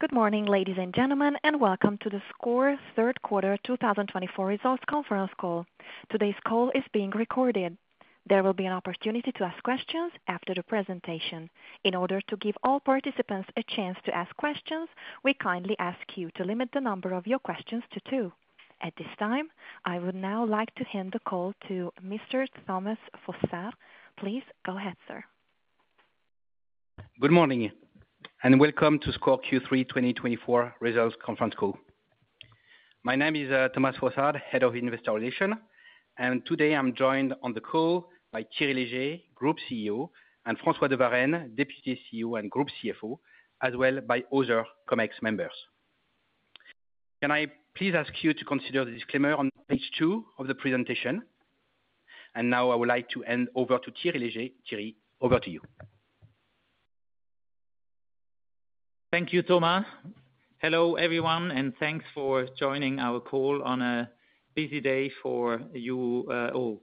Good morning, ladies and gentlemen, and welcome to the SCOR Q3 2024 Results Conference Call. Today's call is being recorded. There will be an opportunity to ask questions after the presentation. In order to give all participants a chance to ask questions, we kindly ask you to limit the number of your questions to two. At this time, I would now like to hand the call to Mr. Thomas Fossard. Please go ahead, sir. Good morning and welcome to SCOR Q3 2024 Results Conference Call. My name is Thomas Fossard, Head of Investor Relations, and today I'm joined on the call by Thierry Léger, Group CEO, and François de Varenne, Deputy CEO and Group CFO, as well as other Comex members. Can I please ask you to consider the disclaimer on page two of the presentation? And now I would like to hand over to Thierry Léger. Thierry, over to you. Thank you, Thomas. Hello, everyone, and thanks for joining our call on a busy day for you all.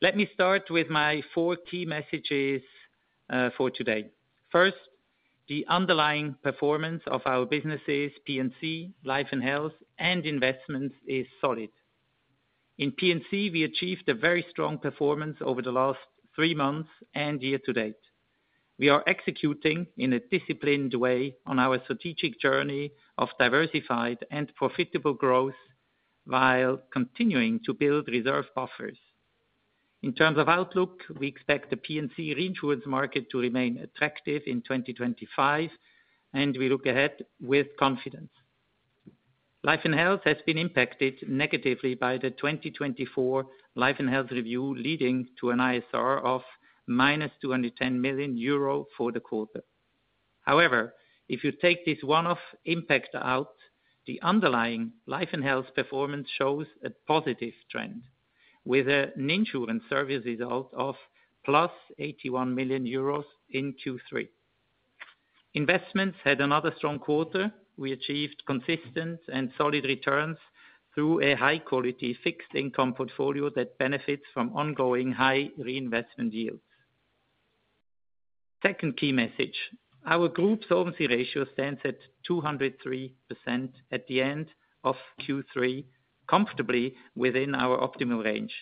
Let me start with my four key messages for today. First, the underlying performance of our businesses, P&C, Life and Health, and investments is solid. In P&C, we achieved a very strong performance over the last three months and year to date. We are executing in a disciplined way on our strategic journey of diversified and profitable growth while continuing to build reserve buffers. In terms of outlook, we expect the P&C reinsurance market to remain attractive in 2025, and we look ahead with confidence. Life and Health has been impacted negatively by the 2024 Life and Health Review, leading to an ISR of -210 million euro for the quarter. However, if you take this one-off impact out, the underlying Life and Health performance shows a positive trend, with an insurance service result of +81 million euros in Q3. Investments had another strong quarter. We achieved consistent and solid returns through a high-quality fixed-income portfolio that benefits from ongoing high reinvestment yields. Second key message: our Group's solvency ratio stands at 203% at the end of Q3, comfortably within our optimal range.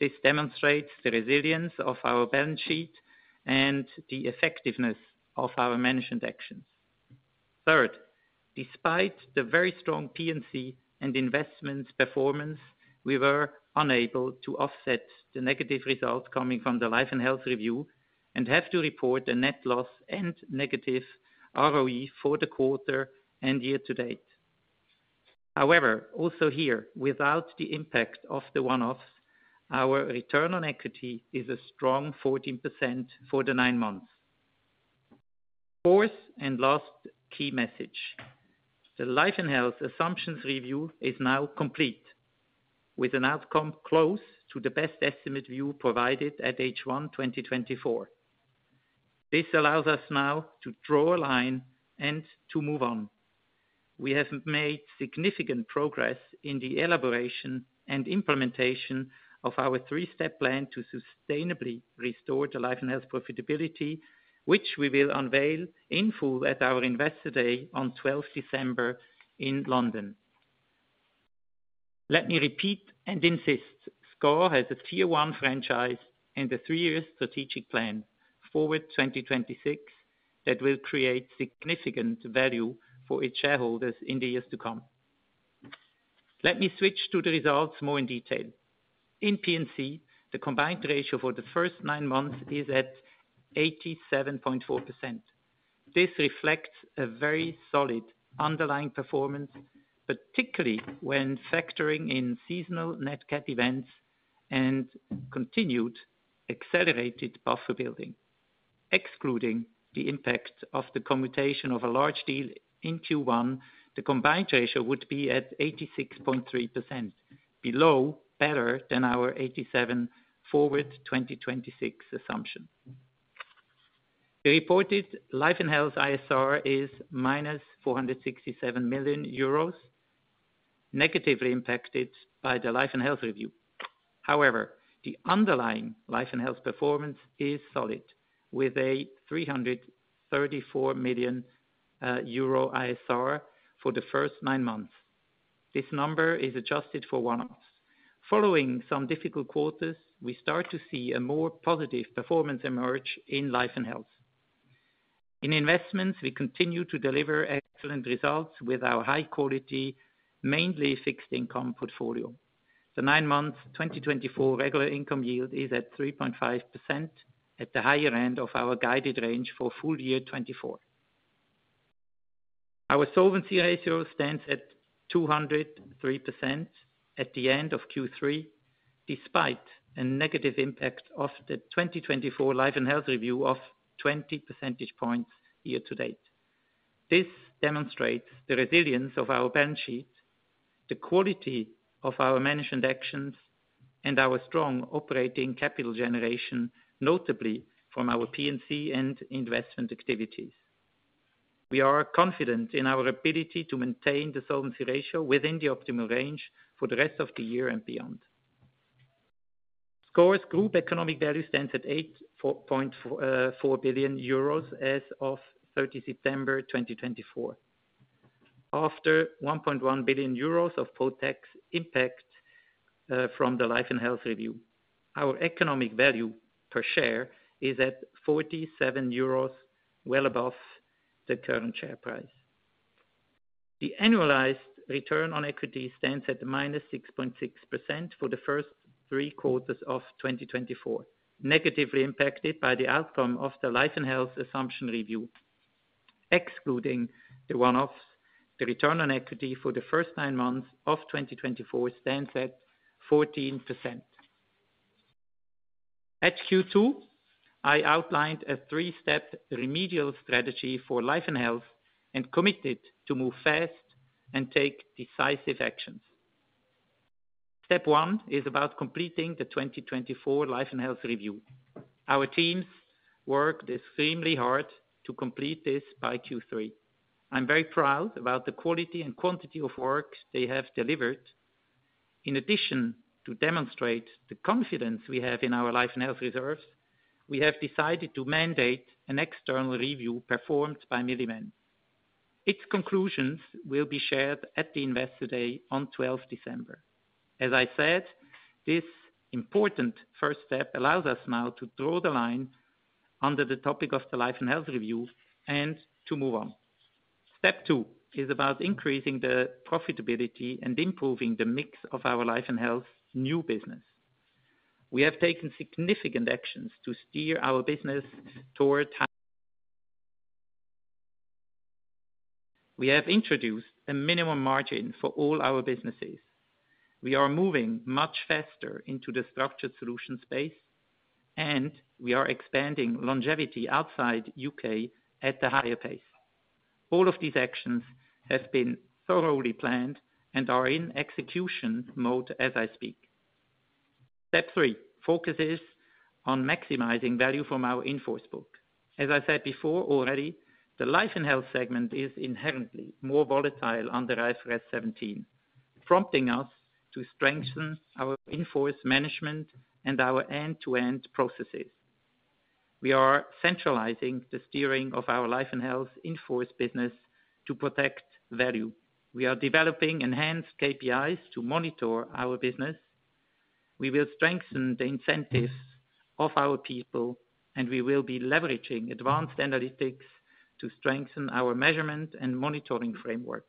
This demonstrates the resilience of our balance sheet and the effectiveness of our management actions. Third, despite the very strong P&C and investments performance, we were unable to offset the negative result coming from the Life and Health Review and have to report a net loss and negative ROE for the quarter and year to date. However, also here, without the impact of the one-offs, our return on equity is a strong 14% for the nine months. Fourth and last key message: the Life and Health Assumptions Review is now complete, with an outcome close to the best estimate view provided at H1 2024. This allows us now to draw a line and to move on. We have made significant progress in the elaboration and implementation of our three-step plan to sustainably restore the Life and Health profitability, which we will unveil in full at our Investor Day on 12 December in London. Let me repeat and insist: SCOR has a Tier 1 franchise and a three-year strategic plan Forward 2026 that will create significant value for its shareholders in the years to come. Let me switch to the results more in detail. In P&C, the Combined Ratio for the first nine months is at 87.4%. This reflects a very solid underlying performance, particularly when factoring in seasonal Net Cat events and continued accelerated buffer building. Excluding the impact of the commutation of a large deal in Q1, the combined ratio would be at 86.3%, below better than our 87 Forward 2026 assumption. The reported Life and Health ISR is -467 million euros, negatively impacted by the Life and Health Review. However, the underlying Life and Health performance is solid, with a 334 million euro ISR for the first nine months. This number is adjusted for one-offs. Following some difficult quarters, we start to see a more positive performance emerge in Life and Health. In investments, we continue to deliver excellent results with our high-quality, mainly fixed-income portfolio. The nine-month 2024 regular income yield is at 3.5%, at the higher end of our guided range for full year 2024. Our solvency ratio stands at 203% at the end of Q3, despite a negative impact of the 2024 Life and Health Review of 20 percentage points year to date. This demonstrates the resilience of our balance sheet, the quality of our management actions, and our strong operating capital generation, notably from our P&C and investment activities. We are confident in our ability to maintain the solvency ratio within the optimal range for the rest of the year and beyond. SCOR's Group Economic Value stands at 8.4 billion euros as of 30 September 2024, after 1.1 billion euros of post-tax impact from the Life and Health Review. Our economic value per share is at 47 euros, well above the current share price. The annualized return on equity stands at -6.6% for the first three quarters of 2024, negatively impacted by the outcome of the Life and Health Assumption Review. Excluding the one-offs, the return on equity for the first nine months of 2024 stands at 14%. At Q2, I outlined a three-step remedial strategy for Life and Health and committed to move fast and take decisive actions. Step one is about completing the 2024 Life and Health Review. Our teams worked extremely hard to complete this by Q3. I'm very proud about the quality and quantity of work they have delivered. In addition to demonstrate the confidence we have in our Life and Health reserves, we have decided to mandate an external review performed by Milliman. Its conclusions will be shared at the Investor Day on 12 December. As I said, this important first step allows us now to draw the line under the topic of the Life and Health Review and to move on. Step two is about increasing the profitability and improving the mix of our Life and Health new business. We have taken significant actions to steer our business toward... We have introduced a minimum margin for all our businesses. We are moving much faster into the structured solution space, and we are expanding longevity outside the U.K. at a higher pace. All of these actions have been thoroughly planned and are in execution mode as I speak. Step three focuses on maximizing value from our in-force book. As I said before already, the Life and Health segment is inherently more volatile under IFRS 17, prompting us to strengthen our in-force management and our end-to-end processes. We are centralizing the steering of our Life and Health in-force business to protect value. We are developing enhanced KPIs to monitor our business. We will strengthen the incentives of our people, and we will be leveraging advanced analytics to strengthen our measurement and monitoring framework.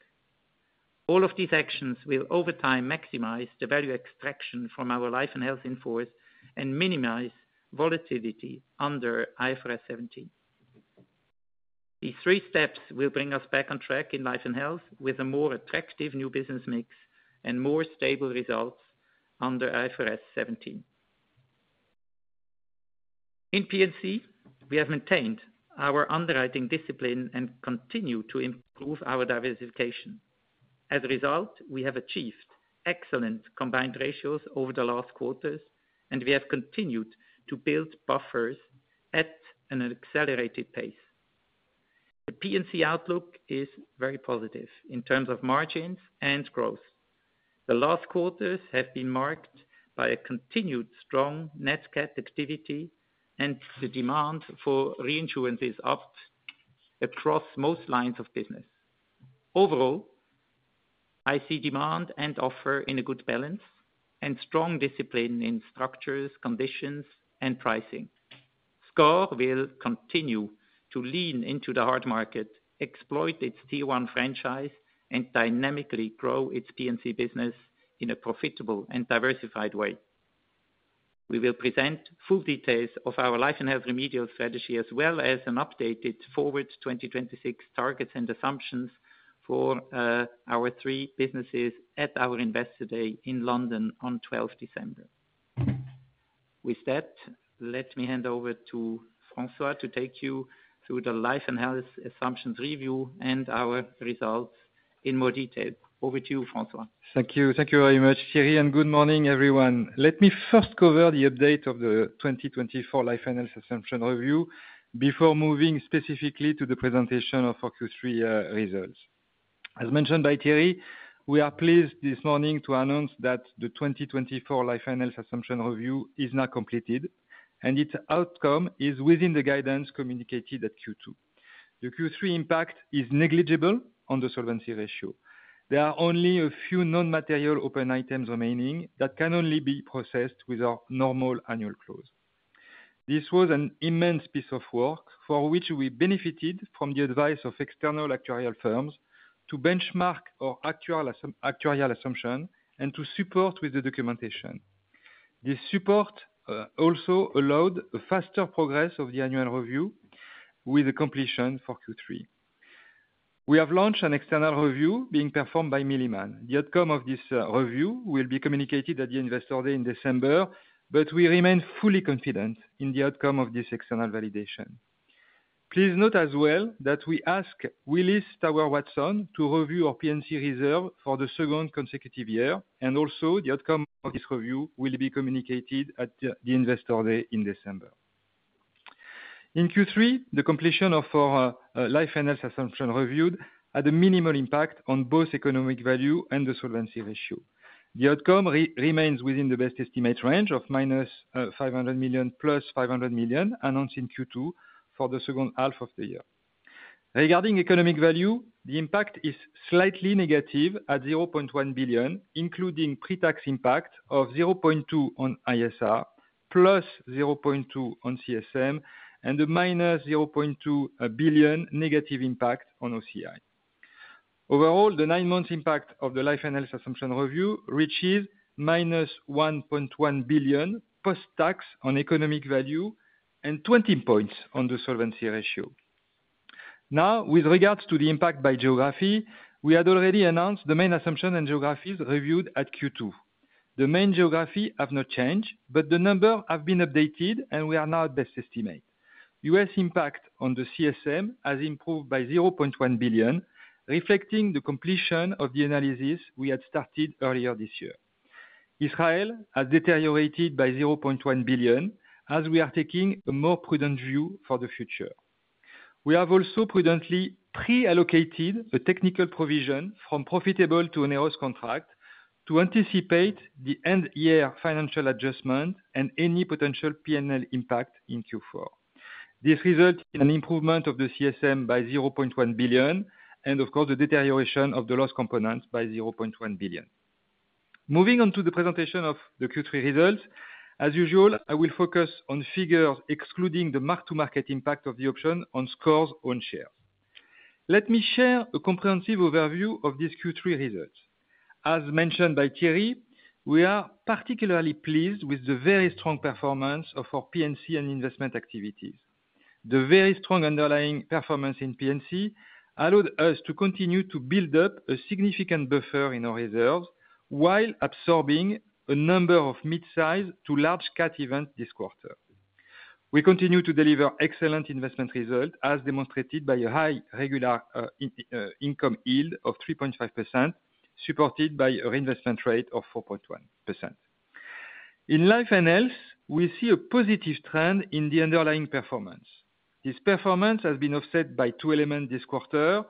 All of these actions will, over time, maximize the value extraction from our Life and Health in-force and minimize volatility under IFRS 17. These three steps will bring us back on track in Life and Health with a more attractive new business mix and more stable results under IFRS 17. In P&C, we have maintained our underwriting discipline and continue to improve our diversification. As a result, we have achieved excellent combined ratios over the last quarters, and we have continued to build buffers at an accelerated pace. The P&C outlook is very positive in terms of margins and growth. The last quarters have been marked by a continued strong Net Cat activity and the demand for reinsurance across most lines of business. Overall, I see demand and offer in a good balance and strong discipline in structures, conditions, and pricing. SCOR will continue to lean into the hard market, exploit its Tier 1 franchise, and dynamically grow its P&C business in a profitable and diversified way. We will present full details of our Life and Health remedial strategy, as well as an updated Forward 2026 targets and assumptions for our three businesses at our Investor Day in London on 12 December. With that, let me hand over to François to take you through the Life and Health Assumptions Review and our results in more detail. Over to you, François. Thank you. Thank you very much, Thierry, and good morning, everyone. Let me first cover the update of the 2024 Life and Health Assumption Review before moving specifically to the presentation of our Q3 results. As mentioned by Thierry, we are pleased this morning to announce that the 2024 Life and Health Assumption Review is now completed, and its outcome is within the guidance communicated at Q2. The Q3 impact is negligible on the solvency ratio. There are only a few non-material open items remaining that can only be processed with our normal annual close. This was an immense piece of work for which we benefited from the advice of external actuarial firms to benchmark our actuarial assumption and to support with the documentation. This support also allowed a faster progress of the annual review with the completion for Q3. We have launched an external review being performed by Milliman. The outcome of this review will be communicated at the Investor Day in December, but we remain fully confident in the outcome of this external validation. Please note as well that we ask Willis Towers Watson to review our P&C reserve for the second consecutive year, and also the outcome of this review will be communicated at the Investor Day in December. In Q3, the completion of our Life and Health assumption review had a minimal impact on both economic value and the solvency ratio. The outcome remains within the best estimate range of -500 million +500 million announced in Q2 for the second half of the year. Regarding economic value, the impact is slightly negative at 0.1 billion, including pre-tax impact of 0.2 on ISR, +0.2 on CSM, and a -0.2 billion negative impact on OCI. Overall, the nine-month impact of the Life and Health assumption review reaches -1.1 billion post-tax on economic value and 20 points on the solvency ratio. Now, with regards to the impact by geography, we had already announced the main assumptions and geographies reviewed at Q2. The main geographies have not changed, but the numbers have been updated, and we are now at best estimate. U.S. impact on the CSM has improved by 0.1 billion, reflecting the completion of the analysis we had started earlier this year. Israel has deteriorated by 0.1 billion, as we are taking a more prudent view for the future. We have also prudently pre-allocated a technical provision from profitable to onerous contract to anticipate the end-year financial adjustment and any potential P&L impact in Q4. This resulted in an improvement of the CSM by 0.1 billion and, of course, the deterioration of the loss components by 0.1 billion. Moving on to the presentation of the Q3 results, as usual, I will focus on figures excluding the mark-to-market impact of the option on SCOR's own shares. Let me share a comprehensive overview of these Q3 results. As mentioned by Thierry, we are particularly pleased with the very strong performance of our P&C and investment activities. The very strong underlying performance in P&C allowed us to continue to build up a significant buffer in our reserves while absorbing a number of mid-size to large-Cat events this quarter. We continue to deliver excellent investment results, as demonstrated by a high regular income yield of 3.5%, supported by a reinvestment rate of 4.1%. In Life and Health, we see a positive trend in the underlying performance. This performance has been offset by two elements this quarter.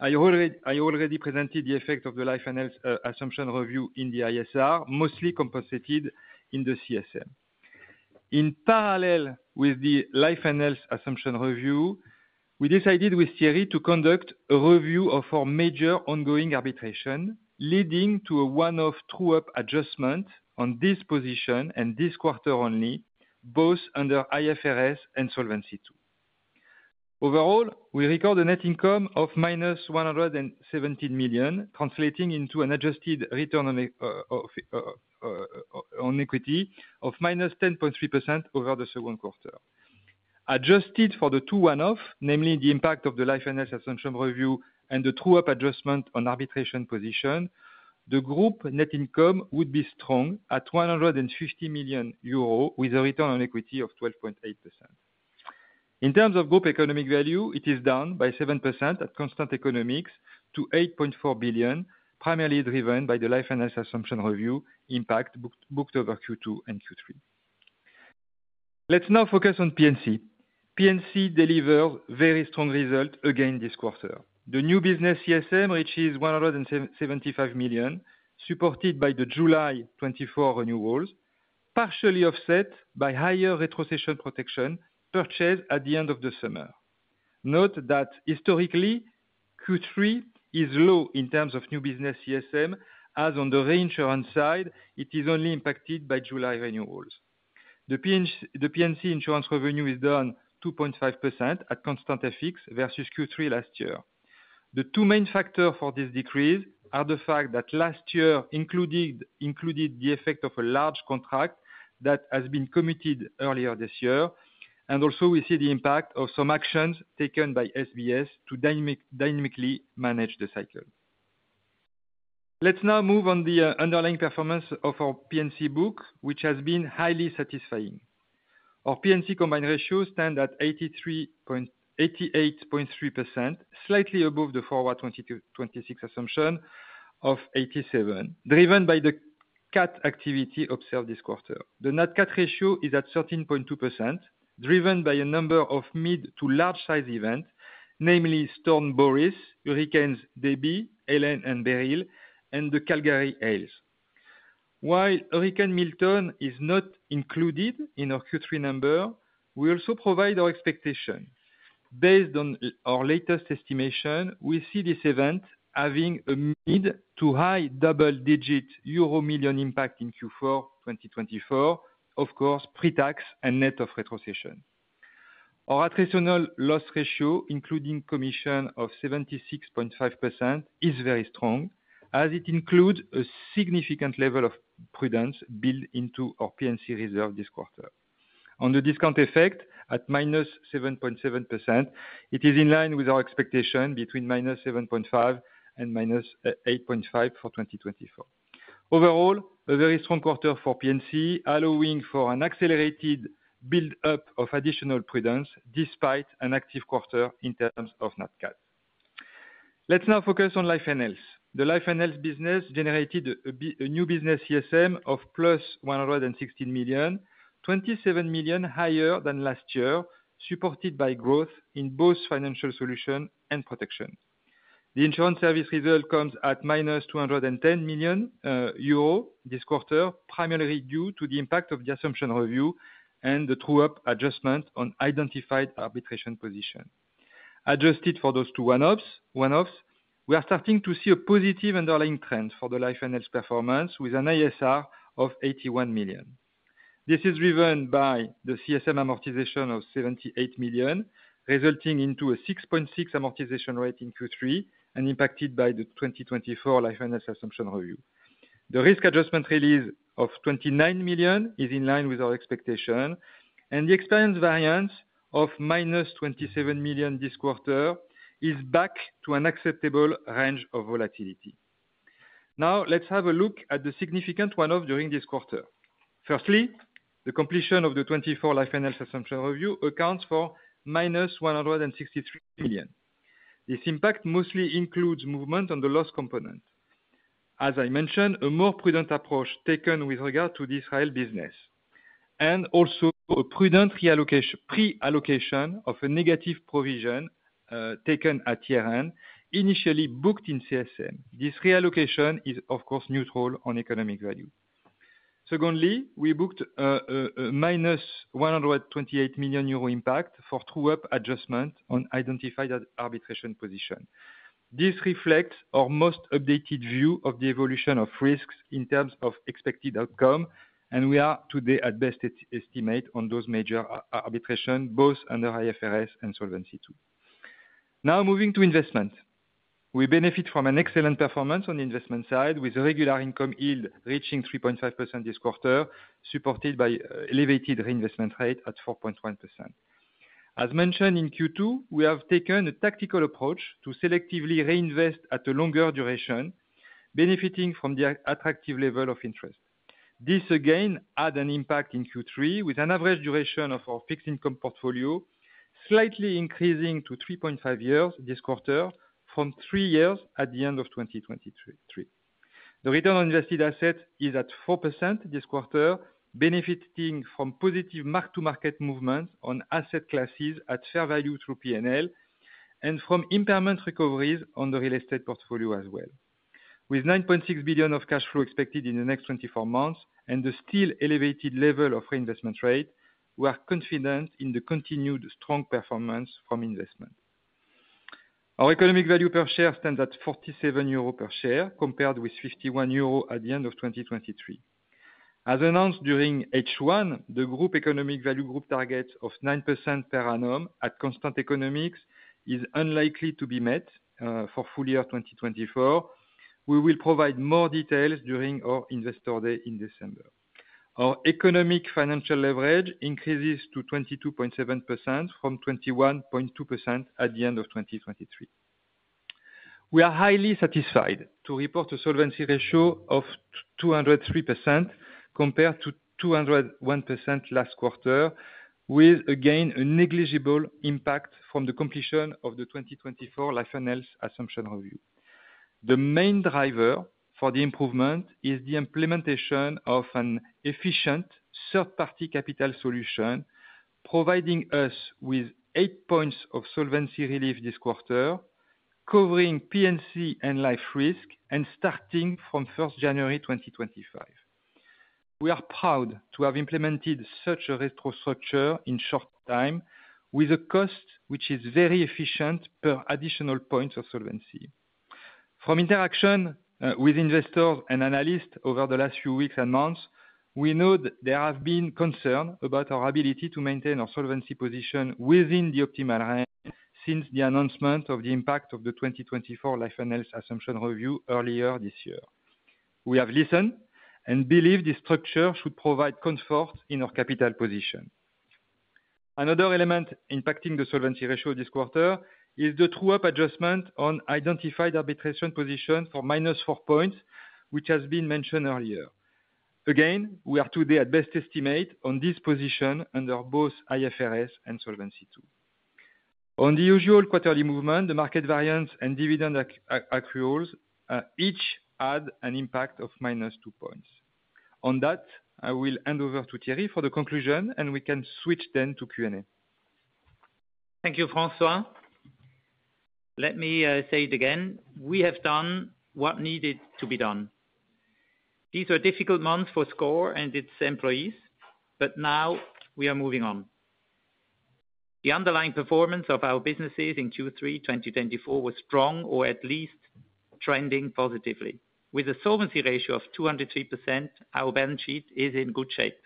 I already presented the effect of the Life and Health assumption review in the ISR, mostly compensated in the CSM. In parallel with the Life and Health assumption review, we decided with Thierry to conduct a review of our major ongoing arbitration, leading to a one-off true-up adjustment on this position and this quarter only, both under IFRS and solvency too. Overall, we record a net income of -117 million, translating into an adjusted return on equity of -10.3% over the second quarter. Adjusted for the two one-offs, namely the impact of the Life and Health assumption review and the true-up adjustment on arbitration position, the group net income would be strong at 150 million euro with a return on equity of 12.8%. In terms of group economic value, it is down by 7% at constant economics to 8.4 billion, primarily driven by the Life and Health assumption review impact booked over Q2 and Q3. Let's now focus on P&C. P&C delivers very strong results again this quarter. The new business CSM reaches 175 million, supported by the July 24 renewals, partially offset by higher retrocession protection purchased at the end of the summer. Note that historically, Q3 is low in terms of new business CSM, as on the reinsurance side, it is only impacted by July renewals. The P&C insurance revenue is down 2.5% at constant FX versus Q3 last year. The two main factors for this decrease are the fact that last year included the effect of a large contract that has been committed earlier this year, and also we see the impact of some actions taken by SBS to dynamically manage the cycle. Let's now move on to the underlying performance of our P&C book, which has been highly satisfying. Our P&C Combined Ratio stands at 88.3%, slightly above the Forward 2026 assumption of 87, driven by the Cat activity observed this quarter. The Net Cat Ratio is at 13.2%, driven by a number of mid to large-size events, namely Storm Boris, Hurricanes Debby, Helene and Beryl, and the Calgary hail. While Hurricane Milton is not included in our Q3 number, we also provide our expectation. Based on our latest estimation, we see this event having a mid- to high double-digit euro million impact in Q4 2024, of course, pre-tax and net of retrocession. Our attritional loss ratio, including commission of 76.5%, is very strong, as it includes a significant level of prudence built into our P&C reserve this quarter. On the discount effect, at -7.7%, it is in line with our expectation between -7.5% and -8.5% for 2024. Overall, a very strong quarter for P&C, allowing for an accelerated build-up of additional prudence despite an active quarter in terms of Net Cat. Let's now focus on Life and Health. The Life and Health business generated a new business CSM of +116 million, 27 million higher than last year, supported by growth in both financial solution and protection. The insurance service result comes at -210 million euro this quarter, primarily due to the impact of the assumption review and the true-up adjustment on identified arbitration position. Adjusted for those two one-offs, we are starting to see a positive underlying trend for the Life and Health performance with an ISR of 81 million. This is driven by the CSM amortization of 78 million, resulting in a 6.6 amortization rate in Q3 and impacted by the 2024 Life and Health assumption review. The risk adjustment release of 29 million is in line with our expectation, and the experience variance of -27 million this quarter is back to an acceptable range of volatility. Now, let's have a look at the significant one-offs during this quarter. Firstly, the completion of the 2024 Life and Health assumption review accounts for -163 million. This impact mostly includes movement on the loss component. As I mentioned, a more prudent approach taken with regard to the Israel business, and also a prudent pre-allocation of a negative provision taken at year-end, initially booked in CSM. This reallocation is, of course, neutral on economic value. Secondly, we booked a -128 million euro impact for true-up adjustment on identified arbitration position. This reflects our most updated view of the evolution of risks in terms of expected outcome, and we are today at best estimate on those major arbitrations, both under IFRS and Solvency II too. Now, moving to investments, we benefit from an excellent performance on the investment side with a regular income yield reaching 3.5% this quarter, supported by an elevated reinvestment rate at 4.1%. As mentioned in Q2, we have taken a tactical approach to selectively reinvest at a longer duration, benefiting from the attractive level of interest. This, again, had an impact in Q3 with an average duration of our fixed income portfolio slightly increasing to 3.5 years this quarter from three years at the end of 2023. The return on invested assets is at 4% this quarter, benefiting from positive mark-to-market movements on asset classes at fair value through P&L, and from impairment recoveries on the real estate portfolio as well. With 9.6 billion of cash flow expected in the next 24 months and the still elevated level of reinvestment rate, we are confident in the continued strong performance from investment. Our economic value per share stands at 47 euro per share, compared with 51 euro at the end of 2023. As announced during H1, the group economic value group target of 9% per annum at constant economics is unlikely to be met for full year 2024. We will provide more details during our Investor Day in December. Our economic financial leverage increases to 22.7% from 21.2% at the end of 2023. We are highly satisfied to report a solvency ratio of 203% compared to 201% last quarter, with, again, a negligible impact from the completion of the 2024 Life and Health assumption review. The main driver for the improvement is the implementation of an efficient third-party capital solution, providing us with eight points of solvency relief this quarter, covering P&C and life risk, and starting from 1 January 2025. We are proud to have implemented such a retro structure in short time, with a cost which is very efficient per additional points of solvency. From interaction with investors and analysts over the last few weeks and months, we know that there have been concerns about our ability to maintain our solvency position within the optimal range since the announcement of the impact of the 2024 Life and Health assumption review earlier this year. We have listened and believe this structure should provide comfort in our capital position. Another element impacting the solvency ratio this quarter is the true-up adjustment on identified arbitration position for -4 points, which has been mentioned earlier. Again, we are today at best estimate on this position under both IFRS and Solvency II. On the usual quarterly movement, the market variance and dividend accruals each add an impact of -2 points. On that, I will hand over to Thierry for the conclusion, and we can switch then to Q&A. Thank you, François. Let me say it again. We have done what needed to be done. These were difficult months for SCOR and its employees, but now we are moving on. The underlying performance of our businesses in Q3 2024 was strong, or at least trending positively. With a solvency ratio of 203%, our balance sheet is in good shape.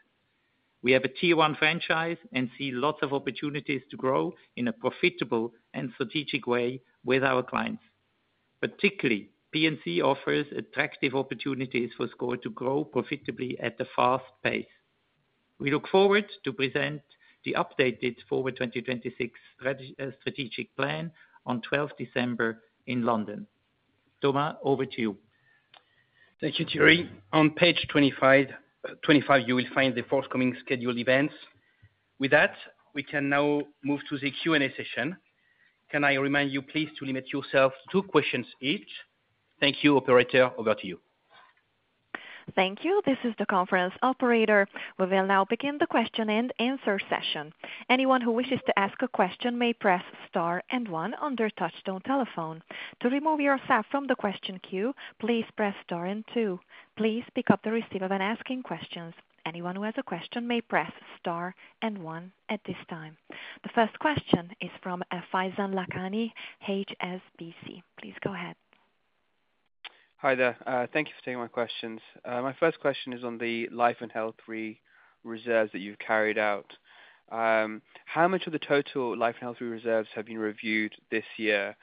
We have a tier-one franchise and see lots of opportunities to grow in a profitable and strategic way with our clients. Particularly, P&C offers attractive opportunities for SCOR to grow profitably at a fast pace. We look forward to presenting the updated Forward 2026 strategic plan on 12 December in London. Thomas, over to you. Thank you, Thierry. On page 25, you will find the forthcoming scheduled events. With that, we can now move to the Q&A session. Can I remind you, please, to limit yourself to two questions each? Thank you, Operator. Over to you. Thank you. This is the conference operator. We will now begin the question and answer session. Anyone who wishes to ask a question may press Star and one on their touch-tone telephone. To remove yourself from the question queue, please press Star and two. Please pick up the receiver when asking questions. Anyone who has a question may press Star and one at this time. The first question is from Faizan Lakhani, HSBC. Please go ahead. Hi there. Thank you for taking my questions. My first question is on the Life and Health reserves that you've carried out. How much of the total Life and Health reserves have been reviewed this year?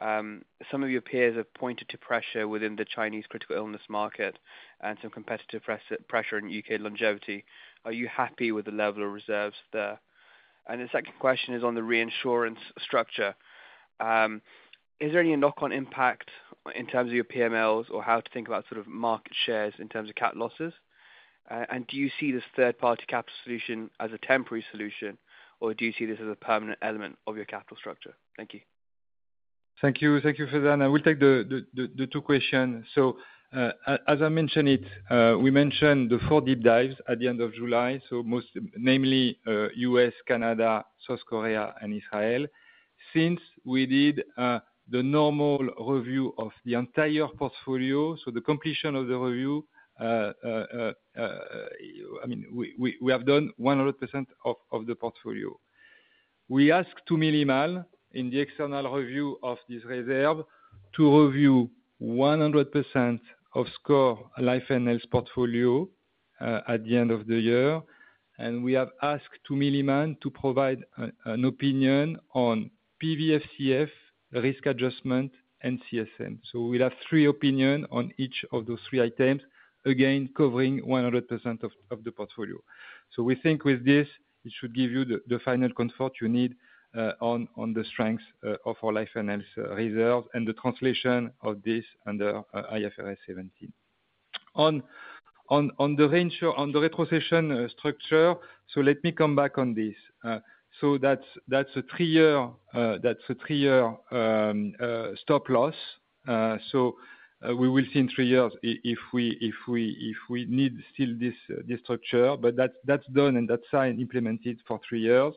Some of your peers have pointed to pressure within the Chinese critical illness market and some competitive pressure in U.K. longevity. Are you happy with the level of reserves there? And the second question is on the reinsurance structure. Is there any knock-on impact in terms of your PMLs or how to think about sort of market shares in terms of Cat losses? And do you see this third-party capital solution as a temporary solution, or do you see this as a permanent element of your capital structure? Thank you. Thank you. Thank you for that. And we'll take the two questions. So, as I mentioned, we mentioned the four deep dives at the end of July, so mostly namely U.S., Canada, South Korea, and Israel. Since we did the normal review of the entire portfolio, so the completion of the review, I mean, we have done 100% of the portfolio. We asked Milliman in the external review of this reserve to review 100% of SCOR Life and Health portfolio at the end of the year. We have asked Milliman to provide an opinion on PVFCF, risk adjustment, and CSM. We'll have three opinions on each of those three items, again, covering 100% of the portfolio. We think with this, it should give you the final comfort you need on the strength of our Life and Health reserves and the translation of this under IFRS 17. On the retrocession structure, let me come back on this. That's a three-year stop loss. We will see in three years if we need still this structure. That's done, and that's signed and implemented for three years.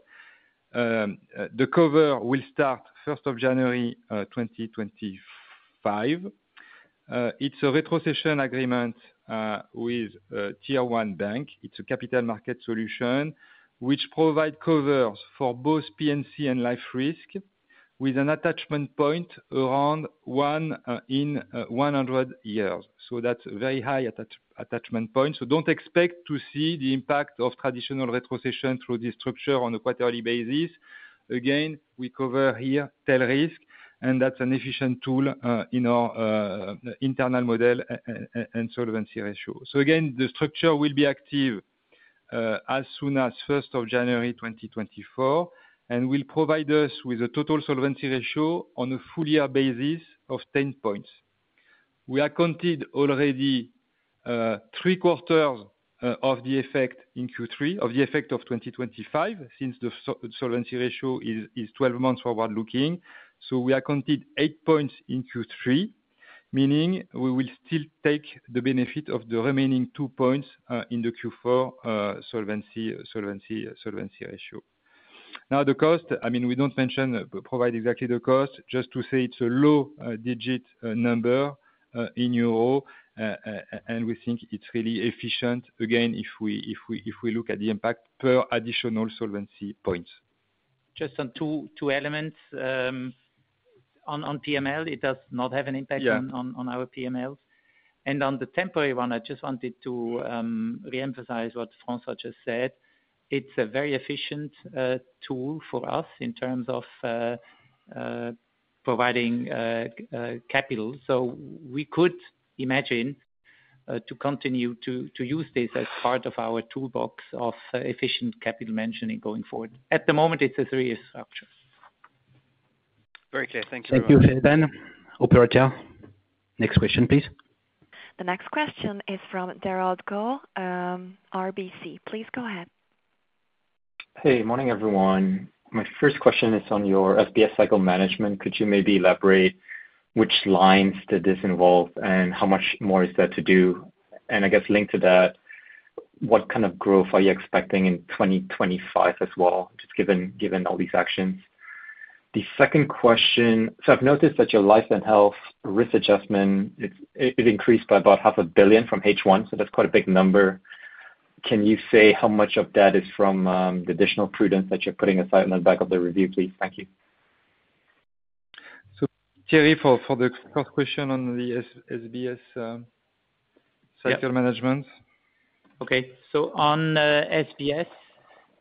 The cover will start 1 January 2025. It's a retrocession agreement with Tier 1 bank. It's a capital market solution which provides covers for both P&C and life risk with an attachment point around one in 100 years. That's a very high attachment point. So don't expect to see the impact of traditional retrocession through this structure on a quarterly basis. Again, we cover here TELRISK, and that's an efficient tool in our internal model and solvency ratio. So again, the structure will be active as soon as 1 January 2024 and will provide us with a total solvency ratio on a full year basis of 10 points. We accounted already three quarters of the effect in Q3 of the effect of 2025 since the solvency ratio is 12 months forward-looking. So we accounted eight points in Q3, meaning we will still take the benefit of the remaining two points in the Q4 solvency ratio. Now, the cost, I mean, we don't want to provide exactly the cost, just to say it's a low-digit number in Europe, and we think it's really efficient, again, if we look at the impact per additional solvency points. Just on two elements. On PML, it does not have an impact on our PMLs. And on the temporary one, I just wanted to re-emphasize what François just said. It's a very efficient tool for us in terms of providing capital. So we could imagine to continue to use this as part of our toolbox of efficient capital management going forward. At the moment, it's a three-year structure. Very clear. Thank you very much. Thank you, Thierry. Then. Operator. Next question, please. The next question is from Derald Goh, RBC. Please go ahead. Hey, morning, everyone. My first question is on your FBS cycle management. Could you maybe elaborate which lines did this involve and how much more is there to do? And I guess linked to that, what kind of growth are you expecting in 2025 as well, just given all these actions? The second question, so I've noticed that your Life and Health risk adjustment, it increased by about 500 million from H1, so that's quite a big number. Can you say how much of that is from the additional prudence that you're putting aside in the back of the review, please? Thank you. So Thierry, for the first question on the SBS cycle management. Okay. So on SBS,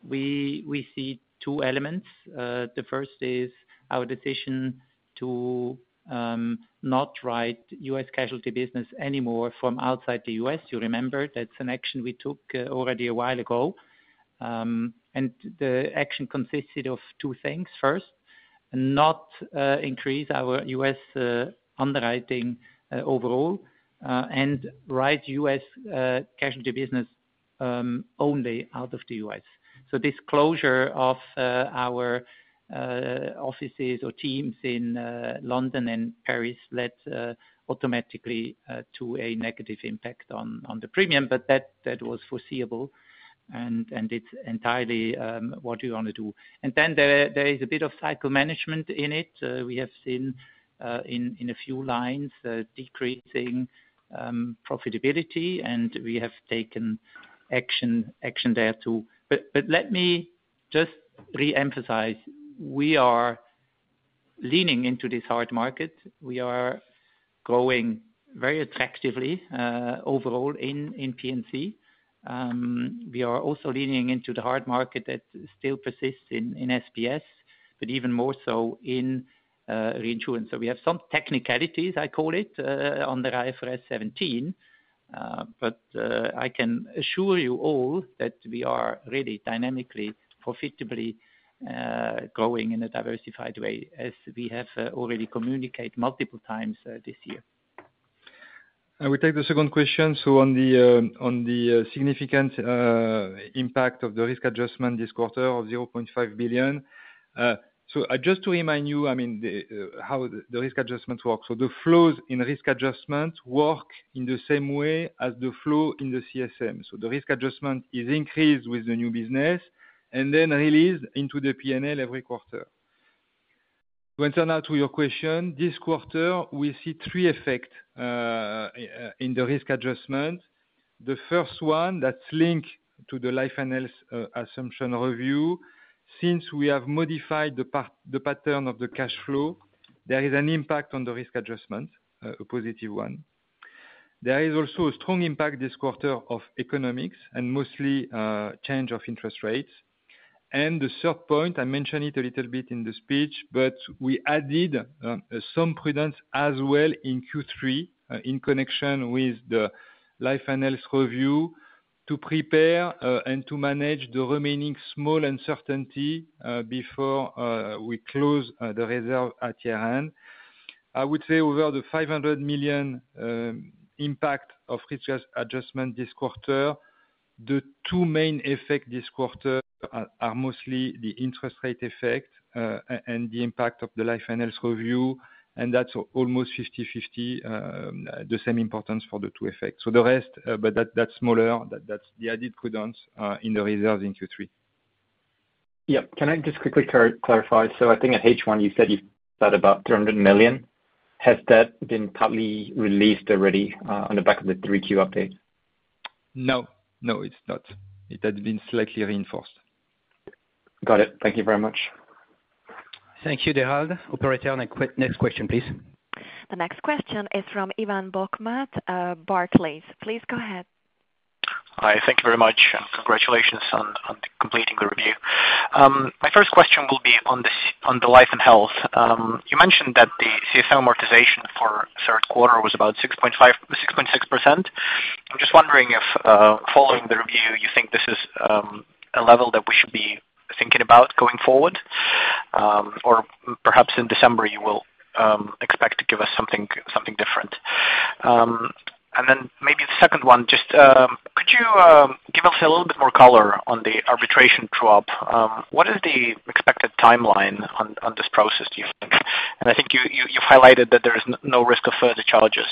we see two elements. The first is our decision to not write U.S. casualty business anymore from outside the U.S. You remember that's an action we took already a while ago. And the action consisted of two things. First, not increase our U.S. underwriting overall and write U.S. casualty business only out of the U.S. This closure of our offices or teams in London and Paris led automatically to a negative impact on the premium, but that was foreseeable and it's entirely what you want to do. And then there is a bit of cycle management in it. We have seen in a few lines decreasing profitability, and we have taken action there too. But let me just re-emphasize. We are leaning into this hard market. We are growing very attractively overall in P&C. We are also leaning into the hard market that still persists in SBS, but even more so in reinsurance. So we have some technicalities, I call it, under IFRS 17. But I can assure you all that we are really dynamically, profitably growing in a diversified way, as we have already communicated multiple times this year. I will take the second question. So, on the significant impact of the risk adjustment this quarter of 0.5 billion. So just to remind you, I mean, how the risk adjustment works. So the flows in risk adjustment work in the same way as the flow in the CSM. So the risk adjustment is increased with the new business and then released into the P&L every quarter. To answer now to your question, this quarter, we see three effects in the risk adjustment. The first one that's linked to the Life and Health assumption review. Since we have modified the pattern of the cash flow, there is an impact on the risk adjustment, a positive one. There is also a strong impact this quarter of economics and mostly change of interest rates. The third point, I mentioned it a little bit in the speech, but we added some prudence as well in Q3 in connection with the Life and Health review to prepare and to manage the remaining small uncertainty before we close the reserve at year-end. I would say over the 500 million impact of risk adjustment this quarter, the two main effects this quarter are mostly the interest rate effect and the impact of the Life and Health review, and that's almost 50-50, the same importance for the two effects. The rest, but that's smaller, that's the added prudence in the reserve in Q3. Yeah. Can I just quickly clarify? I think at H1, you said you've got about 300 million. Has that been partly released already on the back of the 3Q update? No. No, it's not. It has been slightly reinforced. Got it. Thank you very much. Thank you, Gerald. Operator, next question, please. The next question is from Ivan Bokhmat, Barclays. Please go ahead. Hi. Thank you very much. Congratulations on completing the review. My first question will be on the Life and Health. You mentioned that the CSM amortization for third quarter was about 6.6%. I'm just wondering if, following the review, you think this is a level that we should be thinking about going forward, or perhaps in December, you will expect to give us something different? And then maybe the second one, just could you give us a little bit more color on the arbitration drop? What is the expected timeline on this process, do you think? And I think you've highlighted that there is no risk of further charges.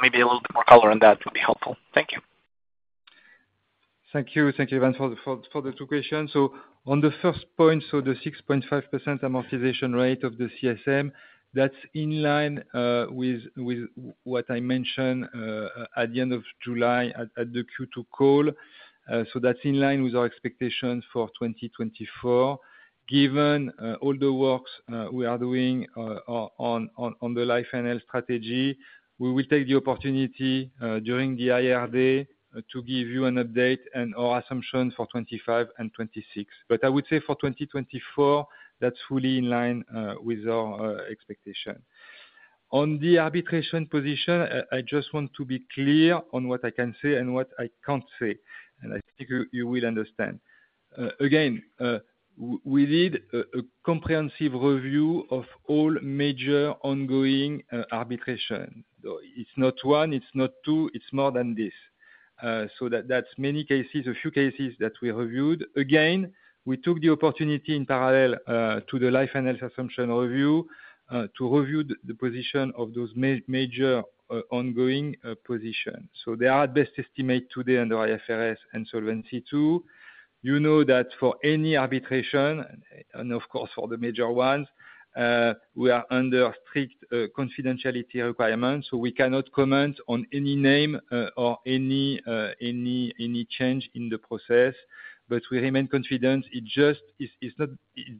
Maybe a little bit more color on that would be helpful. Thank you. Thank you. Thank you, Ivan, for the two questions. On the first point, the 6.5% amortization rate of the CSM, that's in line with what I mentioned at the end of July at the Q2 call. That's in line with our expectations for 2024. Given all the works we are doing on the Life and Health strategy, we will take the opportunity during the IRD to give you an update and our assumption for 2025 and 2026. I would say for 2024, that's fully in line with our expectation. On the arbitration position, I just want to be clear on what I can say and what I can't say. I think you will understand. Again, we did a comprehensive review of all major ongoing arbitration. It's not one, it's not two, it's more than this. That's many cases, a few cases that we reviewed. Again, we took the opportunity in parallel to the Life and Health assumption review to review the position of those major ongoing positions. So they are at best estimate today under IFRS and Solvency II. You know that for any arbitration, and of course, for the major ones, we are under strict confidentiality requirements. So we cannot comment on any name or any change in the process, but we remain confident. It's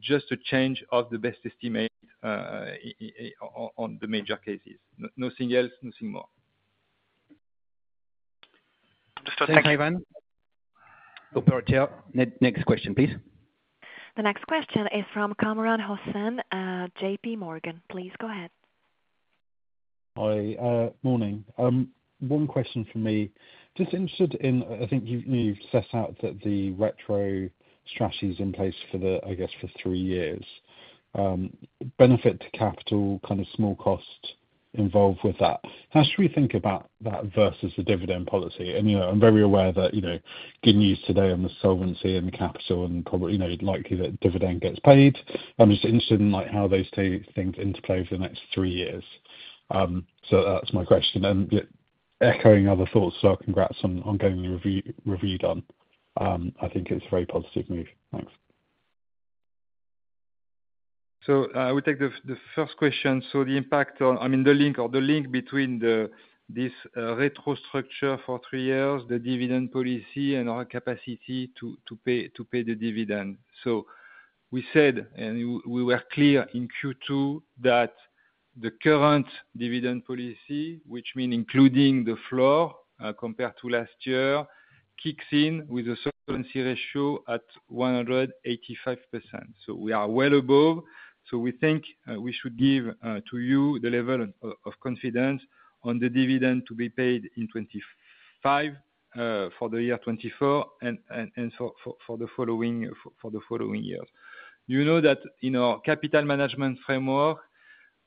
just a change of the best estimate on the major cases. Nothing else, nothing more. Thank you, Ivan. Operator, next question, please. The next question is from Kamran Hossain, J.P. Morgan. Please go ahead. Hi. Morning. One question for me. Just interested in, I think you've set out that the retro strategy is in place for the, I guess, for three years. Benefit to capital, kind of small cost involved with that. How should we think about that versus the dividend policy? And I'm very aware that good news today on the solvency and the capital and probably likely that dividend gets paid. I'm just interested in how those things interplay for the next three years. So that's my question. And echoing other thoughts, congrats on getting the review done. I think it's a very positive move. Thanks. So I will take the first question. So the impact on, I mean, the link between this retro structure for three years, the dividend policy, and our capacity to pay the dividend. So we said, and we were clear in Q2, that the current dividend policy, which means including the floor compared to last year, kicks in with a solvency ratio at 185%. So we are well above. We think we should give to you the level of confidence on the dividend to be paid in 2025 for the year 2024 and for the following years. You know that in our capital management framework,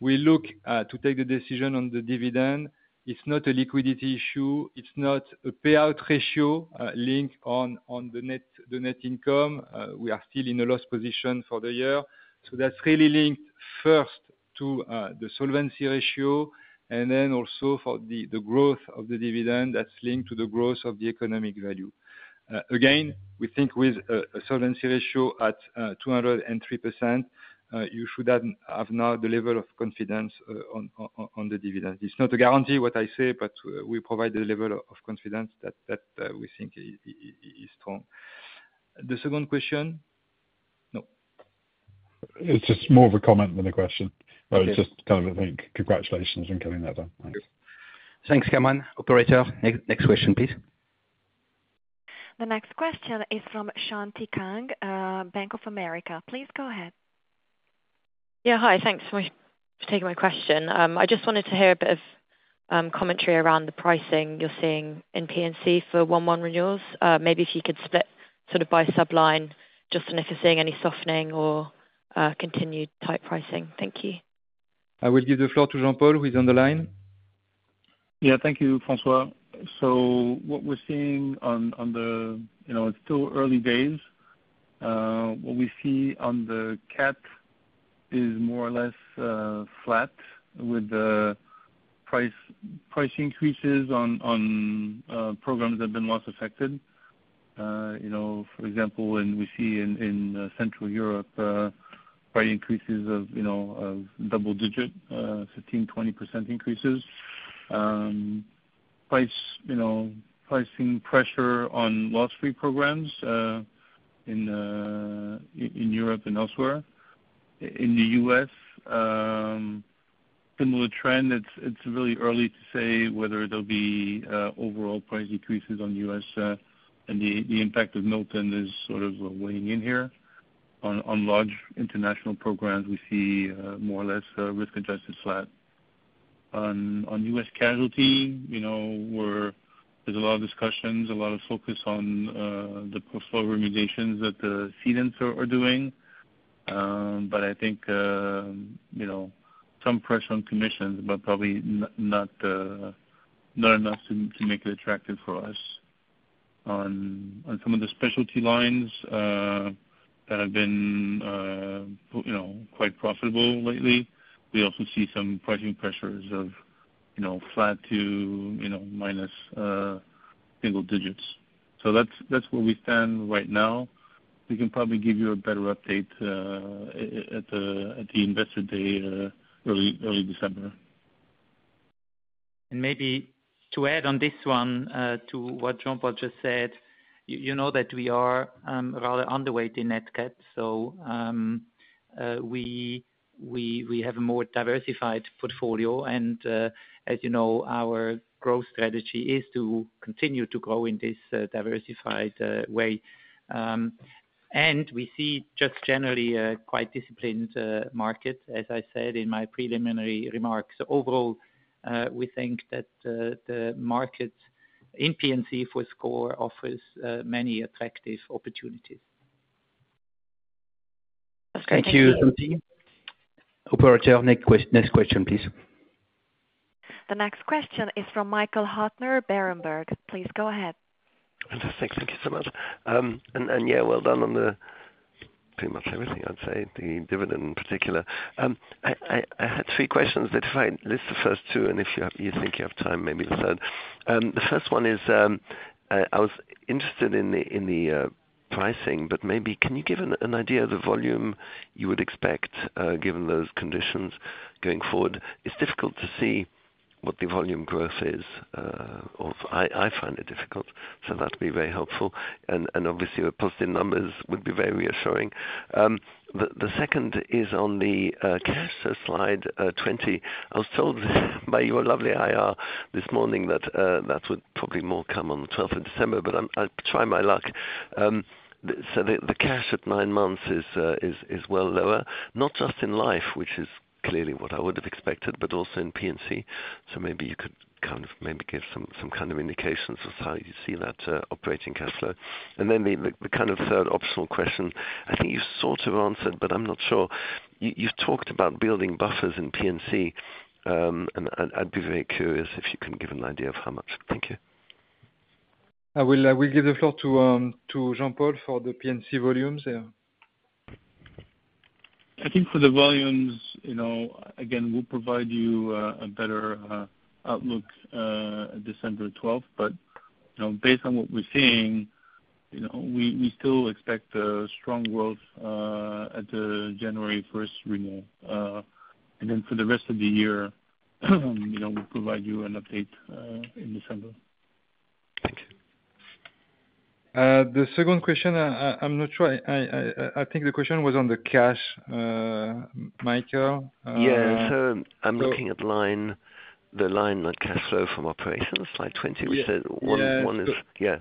we look to take the decision on the dividend. It's not a liquidity issue. It's not a payout ratio linked on the net income. We are still in a loss position for the year. So that's really linked first to the solvency ratio and then also for the growth of the dividend that's linked to the growth of the economic value. Again, we think with a solvency ratio at 203%, you should have now the level of confidence on the dividend. It's not a guarantee what I say, but we provide the level of confidence that we think is strong. The second question? No. It's just more of a comment than a question. But it's just kind of, I think, congratulations on getting that done. Thanks. Thanks, Cameron. Operator, next question, please. The next question is from Shuqi Kang, Bank of America. Please go ahead. Yeah. Hi. Thanks for taking my question. I just wanted to hear a bit of commentary around the pricing you're seeing in P&C for 1.1 renewals. Maybe if you could split sort of by subline just on if you're seeing any softening or continued type pricing. Thank you. I will give the floor to Jean-Paul who is on the line. Yeah. Thank you, François. So what we're seeing on the it's still early days. What we see on the Cat is more or less flat with the price increases on programs that have been loss affected. For example, and we see in Central Europe, price increases of double-digit, 15%-20% increases. Pricing pressure on loss-free programs in Europe and elsewhere. In the U.S., similar trend. It's really early to say whether there'll be overall price increases on U.S. and the impact of Milton is sort of weighing in here. On large international programs, we see more or less risk-adjusted flat. On U.S. casualty, there's a lot of discussions, a lot of focus on the portfolio remediations that the CNENs are doing, but I think some pressure on commissions, but probably not enough to make it attractive for us. On some of the specialty lines that have been quite profitable lately, we also see some pricing pressures of flat to minus single digits, so that's where we stand right now. We can probably give you a better update at the investor day early December. And maybe to add on this one to what Jean-Paul just said, you know that we are rather underweight in Net Cat. So we have a more diversified portfolio. And as you know, our growth strategy is to continue to grow in this diversified way. And we see just generally a quite disciplined market, as I said in my preliminary remarks. Overall, we think that the market in P&C for SCOR offers many attractive opportunities. Thank you. Operator, next question, please. The next question is from Michael Huttner, Berenberg. Please go ahead. Thank you so much. And yeah, well done on pretty much everything, I'd say, the dividend in particular. I had three questions. Let's list the first two, and if you think you have time, maybe the third. The first one is, I was interested in the pricing, but maybe can you give an idea of the volume you would expect given those conditions going forward? It's difficult to see what the volume growth is. I find it difficult, so that'll be very helpful, and obviously a positive numbers would be very reassuring. The second is on the cash slide 20. I was told by your lovely IR this morning that that would probably more come on the 12th of December, but I'll try my luck, so the cash at nine months is well lower, not just in life, which is clearly what I would have expected, but also in P&C, so maybe you could kind of maybe give some kind of indications of how you see that operating cash flow? And then the kind of third optional question, I think you sort of answered, but I'm not sure. You've talked about building buffers in P&C, and I'd be very curious if you can give an idea of how much? Thank you. I will give the floor to Jean-Paul for the P&C volumes there. I think for the volumes, again, we'll provide you a better outlook December 12th. But based on what we're seeing, we still expect a strong growth at the January 1st renewal. And then for the rest of the year, we'll provide you an update in December. Thank you. The second question, I'm not sure. I think the question was on the cash, Michael? Yeah. So I'm looking at the line on cash flow from operations, slide 20. We said one is. Yeah.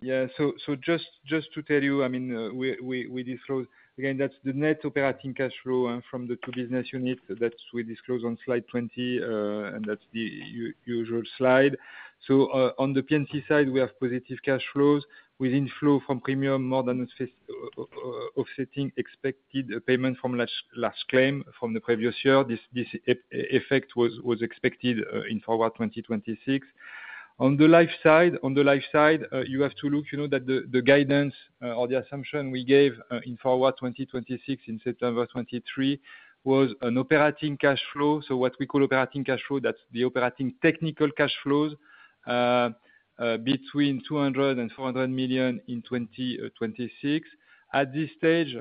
Yeah. So just to tell you, I mean, we disclose, again, that's the net operating cash flow from the two business units that we disclose on slide 20, and that's the usual slide. So on the P&C side, we have positive cash flows with inflow from premium more than offsetting expected payment from last claim from the previous year. This effect was expected in Forward 2026. On the life side, you have to look that the guidance or the assumption we gave in Forward 2026 in September 2023 was an operating cash flow. So what we call operating cash flow, that's the operating technical cash flows between 200 and 400 million in 2026. At this stage,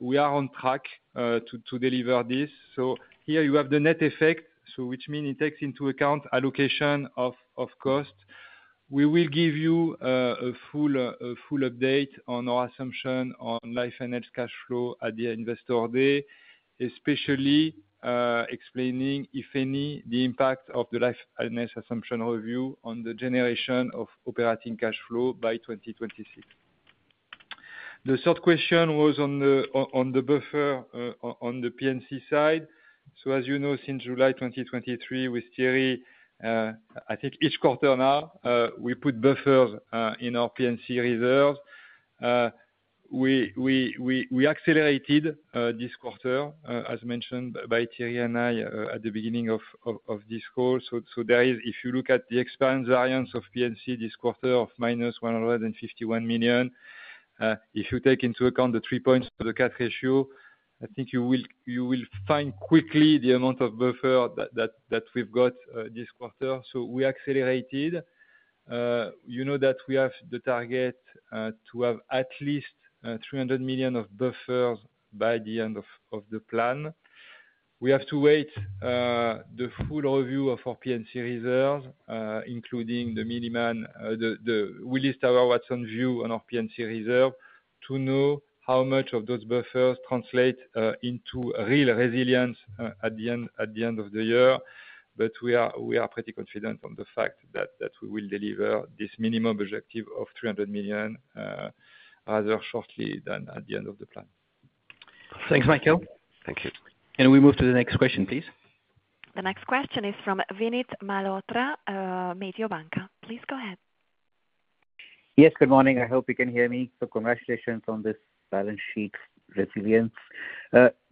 we are on track to deliver this. So here you have the net effect, which means it takes into account allocation of cost. We will give you a full update on our assumption on Life and Health cash flow at the investor day, especially explaining, if any, the impact of the Life and Health assumption review on the generation of operating cash flow by 2026. The third question was on the buffer on the P&C side. So as you know, since July 2023, with Thierry, I think each quarter now, we put buffers in our P&C reserves. We accelerated this quarter, as mentioned by Thierry and I at the beginning of this call. So there is, if you look at the expense variance of P&C this quarter of -151 million, if you take into account the three points of the Cat ratio, I think you will find quickly the amount of buffer that we've got this quarter. So we accelerated. You know that we have the target to have at least 300 million of buffers by the end of the plan. We have to wait the full review of our P&C reserves, including the Milliman Willis Towers Watson view on our P&C reserve, to know how much of those buffers translate into real resilience at the end of the year. But we are pretty confident on the fact that we will deliver this minimum objective of 300 million rather shortly than at the end of the plan. Thanks, Michael. Thank you. And we move to the next question, please. The next question is from Vinit Malhotra, Mediobanca. Please go ahead. Yes. Good morning. I hope you can hear me. So congratulations on this balance sheet resilience.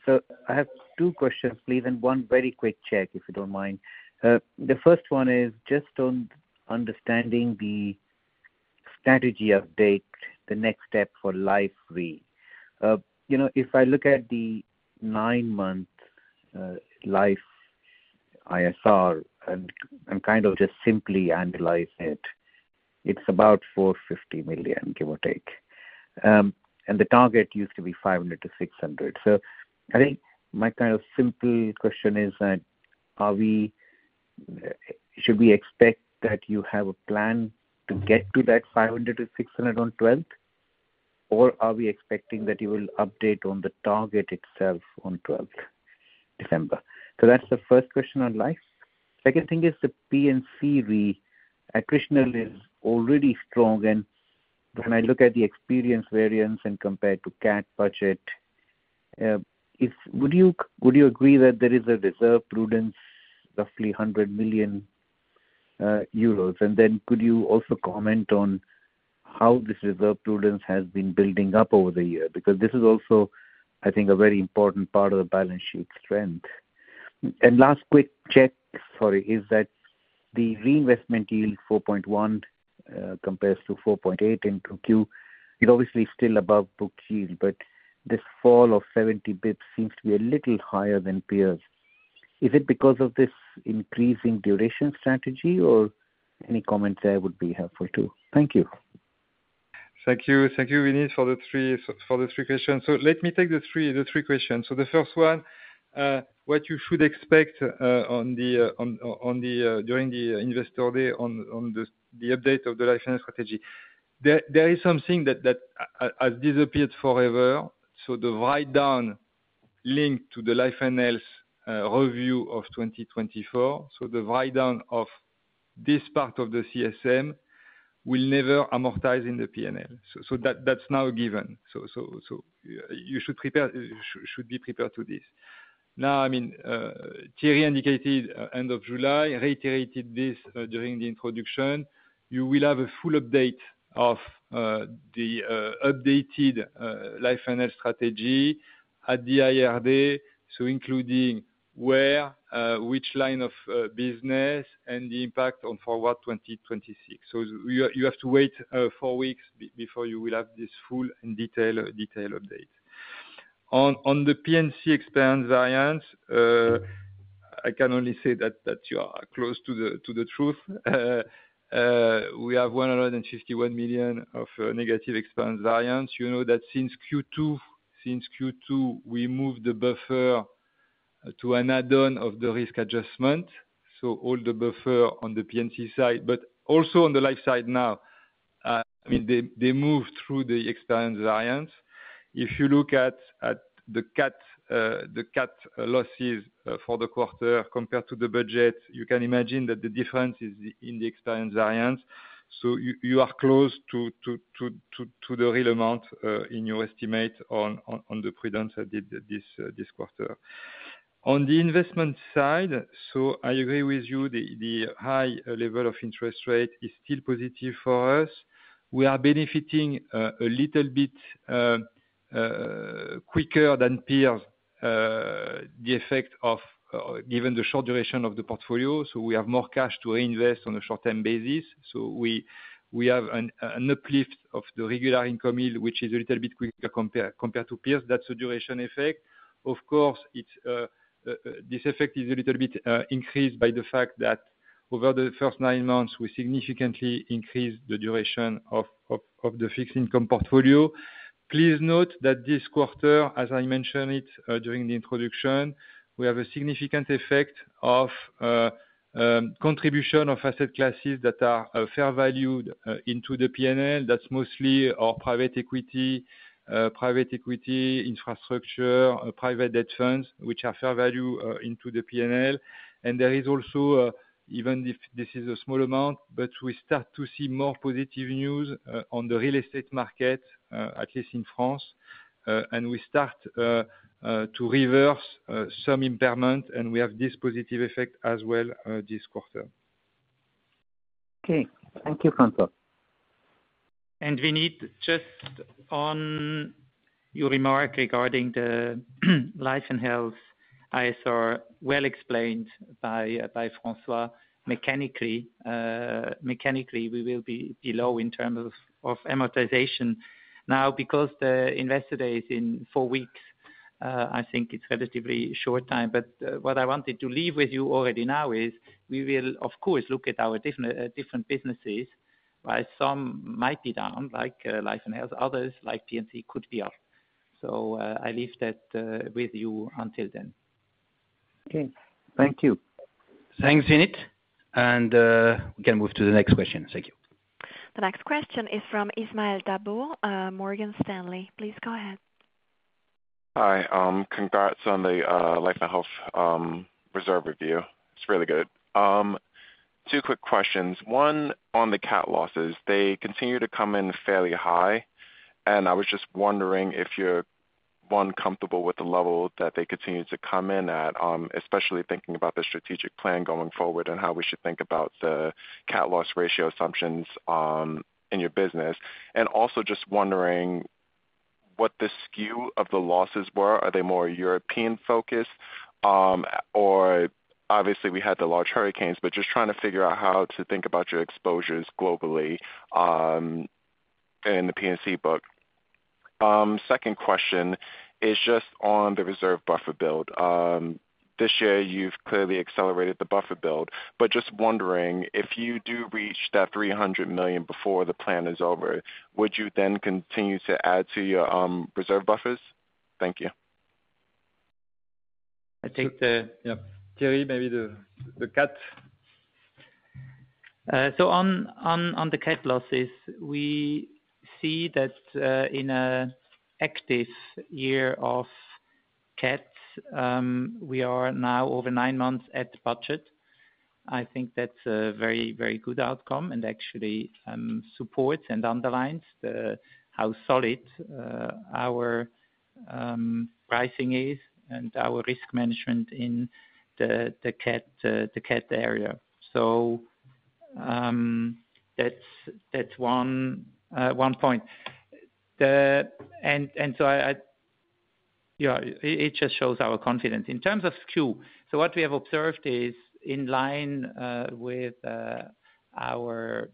So I have two questions, please, and one very quick check, if you don't mind. The first one is just on understanding the strategy update, the next step for life re. If I look at the nine-month life ISR and kind of just simply analyze it, it's about 450 million, give or take. And the target used to be 500 million-600 million. So I think my kind of simple question is that should we expect that you have a plan to get to that 500 to 600 on 12th, or are we expecting that you will update on the target itself on 12th, December? So that's the first question on life. Second thing is the P&C re. Attritional is already strong, and when I look at the experience variance and compare to Cat budget, would you agree that there is a reserve prudence, roughly 100 million euros? And then could you also comment on how this reserve prudence has been building up over the year? Because this is also, I think, a very important part of the balance sheet strength. And last quick check, sorry, is that the reinvestment yield, 4.1 compared to 4.8 in 2Q, it obviously is still above book yield, but this fall of 70 basis points seems to be a little higher than peers. Is it because of this increasing duration strategy, or any comments there would be helpful too? Thank you. Thank you. Thank you, Vinny, for the three questions. So let me take the three questions. So the first one, what you should expect during the investor day on the update of the Life and Health strategy. There is something that has disappeared forever. So the write-down linked to the Life and Health review of 2024, so the write-down of this part of the CSM will never amortize in the P&L. So that's now a given. So you should be prepared to this. Now, I mean, Thierry indicated end of July, reiterated this during the introduction. You will have a full update of the updated Life and Health strategy at the IR day, so including where, which line of business, and the impact on Forward 2026. So you have to wait four weeks before you will have this full and detailed update. On the P&C expense variance, I can only say that you are close to the truth. We have 151 million of negative expense variance. You know that since Q2, we moved the buffer to an add-on of the risk adjustment. So all the buffer on the P&C side, but also on the life side now, I mean, they moved through the expense variance. If you look at the Cat losses for the quarter compared to the budget, you can imagine that the difference is in the expense variance. So you are close to the real amount in your estimate on the prudence this quarter. On the investment side, so I agree with you, the high level of interest rate is still positive for us. We are benefiting a little bit quicker than peers, the effect of given the short duration of the portfolio. So we have more cash to reinvest on a short-term basis. So we have an uplift of the regular income yield, which is a little bit quicker compared to peers. That's a duration effect. Of course, this effect is a little bit increased by the fact that over the first nine months, we significantly increased the duration of the fixed income portfolio. Please note that this quarter, as I mentioned it during the introduction, we have a significant effect of contribution of asset classes that are fair valued into the P&L. That's mostly our private equity, private equity infrastructure, private debt funds, which are fair value into the P&L. And there is also, even if this is a small amount, but we start to see more positive news on the real estate market, at least in France. And we start to reverse some impairment, and we have this positive effect as well this quarter. Okay. Thank you, François. And Vinny, just on your remark regarding the Life and Health ISR, well explained by François, mechanically, we will be below in terms of amortization. Now, because the Investor Day is in four weeks, I think it's a relatively short time. But what I wanted to leave with you already now is we will, of course, look at our different businesses. Some might be down, like Life and Health. Others, like P&C, could be up. So I leave that with you until then. Okay. Thank you. Thanks, Vinny. And we can move to the next question. Thank you. The next question is from Ismail Dabo, Morgan Stanley. Please go ahead. Hi. Congrats on the Life and Health reserve review. It's really good. Two quick questions. One, on the Cat losses, they continue to come in fairly high. And I was just wondering if you're comfortable with the level that they continue to come in at, especially thinking about the strategic plan going forward and how we should think about the Cat loss ratio assumptions in your business? And also just wondering what the skew of the losses were? Are they more European-focused? Or obviously, we had the large hurricanes, but just trying to figure out how to think about your exposures globally in the P&C book. Second question is just on the reserve buffer build. This year, you've clearly accelerated the buffer build. But just wondering, if you do reach that 300 million before the plan is over, would you then continue to add to your reserve buffers? Thank you. I think Thierry, maybe the Cat. So on the Cat losses, we see that in an active year of Cats, we are now over nine months at budget. I think that's a very, very good outcome and actually supports and underlines how solid our pricing is and our risk management in the Cat area. So that's one point. And so it just shows our confidence. In terms of skew, so what we have observed is in line with our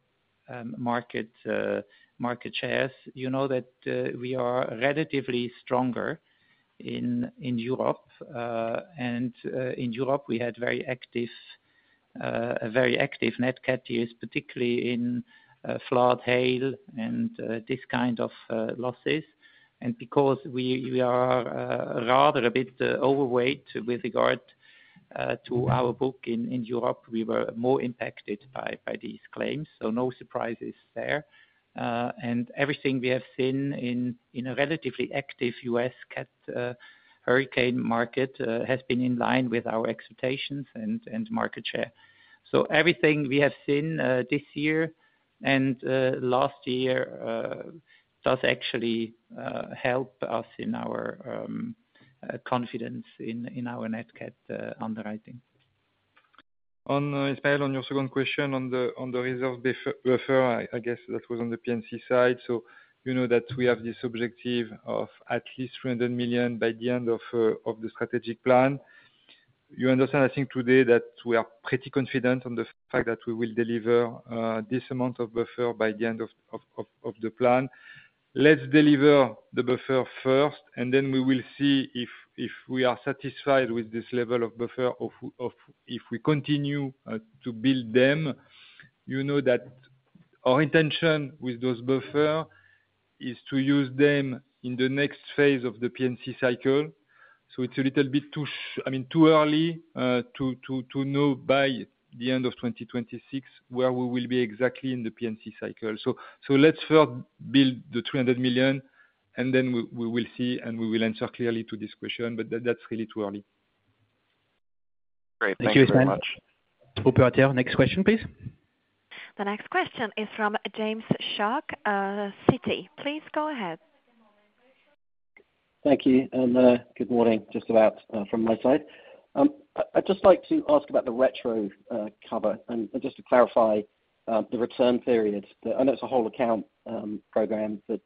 market shares, you know that we are relatively stronger in Europe, and in Europe, we had very active Net Cat years, particularly in flood, hail, and this kind of losses, and because we are rather a bit overweight with regard to our book in Europe, we were more impacted by these claims, so no surprises there, and everything we have seen in a relatively active U.S. Cat hurricane market has been in line with our expectations and market share, so everything we have seen this year and last year does actually help us in our confidence in our Net Cat underwriting. On Ismail, on your second question on the reserve buffer, I guess that was on the P&C side. So you know that we have this objective of at least 300 million by the end of the strategic plan. You understand, I think, today that we are pretty confident on the fact that we will deliver this amount of buffer by the end of the plan. Let's deliver the buffer first, and then we will see if we are satisfied with this level of buffer, if we continue to build them. You know that our intention with those buffers is to use them in the next phase of the P&C cycle. So it's a little bit too early to know by the end of 2026 where we will be exactly in the P&C cycle. So let's first build the 300 million, and then we will see and we will answer clearly to this question, but that's really too early. Great. Thank you, Ismail. Thank you very much. Operator. Next question, please. The next question is from James Shuck, Citi. Please go ahead. Thank you and good morning. Just about from my side. I'd just like to ask about the retro cover and just to clarify the return period. I know it's a whole account program, but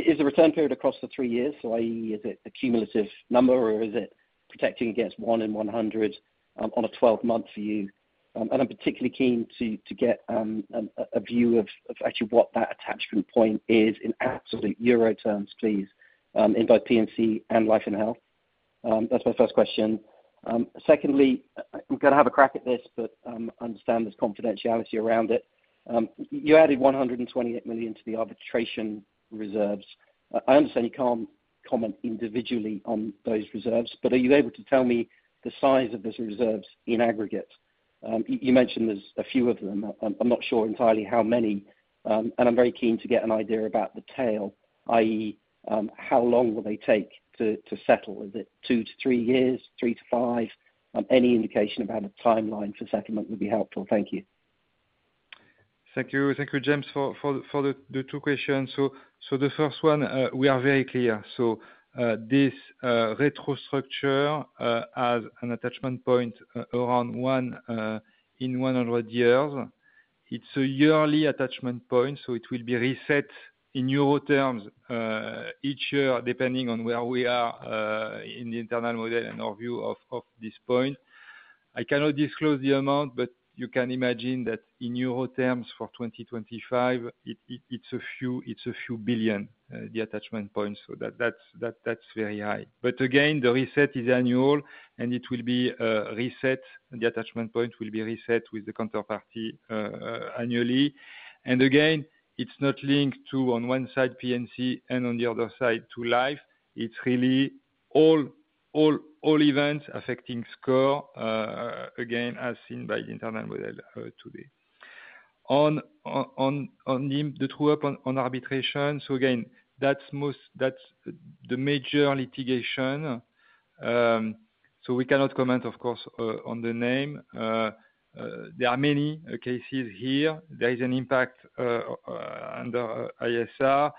is the return period across the three years? So i.e., is it a cumulative number, or is it protecting against one in 100 on a 12-month view? And I'm particularly keen to get a view of actually what that attachment point is in absolute euro terms, please, in both P&C and Life and Health. That's my first question. Secondly, I'm going to have a crack at this, but I understand there's confidentiality around it. You added 128 million to the arbitration reserves. I understand you can't comment individually on those reserves, but are you able to tell me the size of those reserves in aggregate? You mentioned there's a few of them. I'm not sure entirely how many, and I'm very keen to get an idea about the tail, i.e., how long will they take to settle? Is it two-to-three years, three-to-five? Any indication about a timeline for settlement would be helpful. Thank you. Thank you. Thank you, James, for the two questions. So the first one, we are very clear. So this retro structure has an attachment point around one in 100 years. It's a yearly attachment point, so it will be reset in euro terms each year depending on where we are in the internal model and our view of this point. I cannot disclose the amount, but you can imagine that in euro terms for 2025, it's a few billion, the attachment points, so that's very high. But again, the reset is annual, and it will be reset. The attachment point will be reset with the counterparty annually. And again, it's not linked to, on one side, P&C, and on the other side, to life. It's really all events affecting SCOR, again, as seen by the internal model today. On the true-up on arbitration, so again, that's the major litigation. So we cannot comment, of course, on the name. There are many cases here. There is an impact under ISR.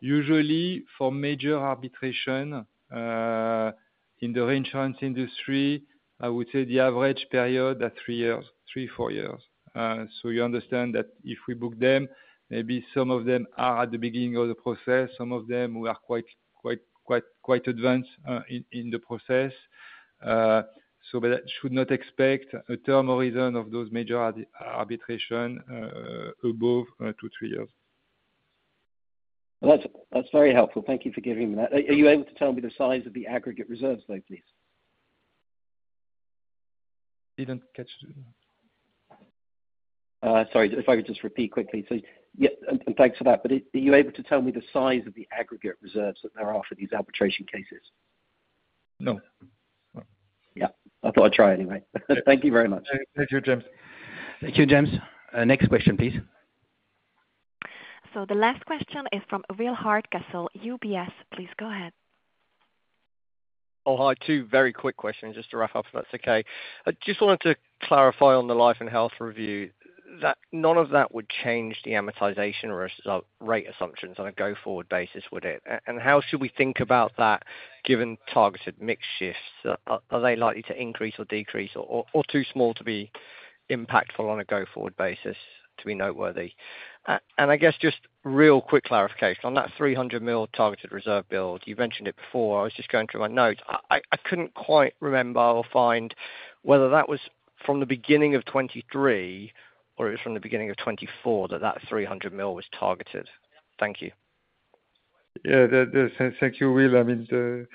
Usually, for major arbitration in the reinsurance industry, I would say the average period is three years, three, four years. So you understand that if we book them, maybe some of them are at the beginning of the process, some of them who are quite advanced in the process. So that should not expect a term horizon of those major arbitration above two, three years. That's very helpful. Thank you for giving me that. Are you able to tell me the size of the aggregate reserves, though, please? Didn't catch you. Sorry. If I could just repeat quickly. So yeah, and thanks for that. But are you able to tell me the size of the aggregate reserves that there are for these arbitration cases? No. Yeah. I thought I'd try anyway. Thank you very much. Thank you, James. Thank you, James. Next question, please. So the last question is from Will Hardcastle, UBS. Please go ahead. Oh, hi. Two very quick questions just to wrap up if that's okay. Just wanted to clarify on the Life and Health review that none of that would change the amortization rate assumptions on a go-forward basis, would it? And how should we think about that given targeted mix shifts? Are they likely to increase or decrease or too small to be impactful on a go-forward basis to be noteworthy? And I guess just real quick clarification. On that 300 million targeted reserve build, you mentioned it before. I was just going through my notes. I couldn't quite remember or find whether that was from the beginning of 2023 or it was from the beginning of 2024 that that 300 million was targeted. Thank you. Yeah. Thank you, Will. I mean, the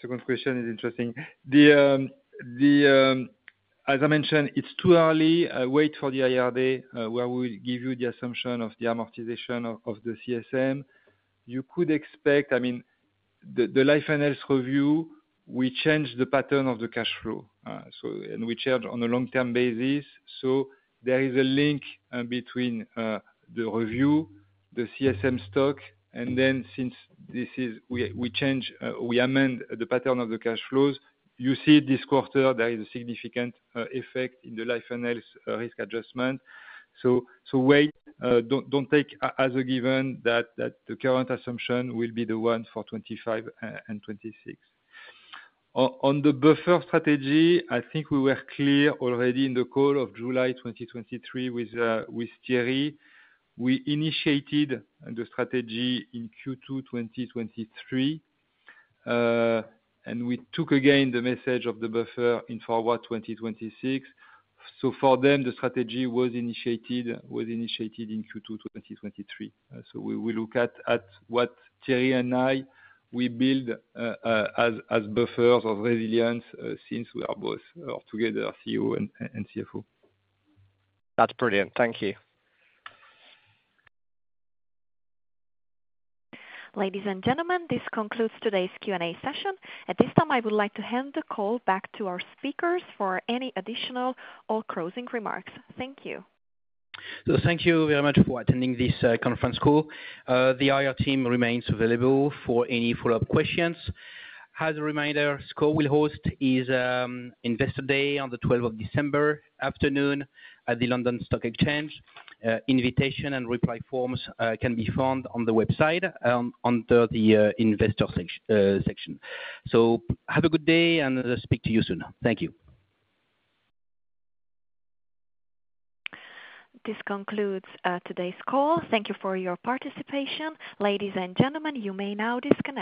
second question is interesting. As I mentioned, it's too early. Wait for the IRA where we give you the assumption of the amortization of the CSM. You could expect, I mean, the Life and Health review. We change the pattern of the cash flow and we charge on a long-term basis, so there is a link between the review, the CSM stock, and then, since we amend the pattern of the cash flows, you see this quarter there is a significant effect in the Life and Health risk adjustment, so don't take as a given that the current assumption will be the one for 2025 and 2026. On the buffer strategy, I think we were clear already in the call of July 2023 with Thierry. We initiated the strategy in Q2 2023 and we took again the message of the buffer in Forward 2026, so for them the strategy was initiated in Q2 2023, so we look at what Thierry and I, we build as buffers of resilience since we are both together, CEO and CFO. That's brilliant. Thank you. Ladies and gentlemen, this concludes today's Q&A session. At this time, I would like to hand the call back to our speakers for any additional or closing remarks. Thank you. So thank you very much for attending this conference call. The IR team remains available for any follow-up questions. As a reminder, SCOR will host Investor Day on the 12th of December afternoon at the London Stock Exchange. Invitation and reply forms can be found on the website under the Investor section. So have a good day and speak to you soon. Thank you. This concludes today's call. Thank you for your participation. Ladies and gentlemen, you may now disconnect.